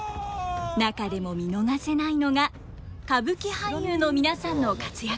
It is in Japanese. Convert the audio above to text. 中でも見逃せないのが歌舞伎俳優の皆さんの活躍ぶり。